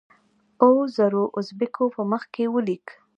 اوو زرو اوزبیکو په مخ کې ولیک.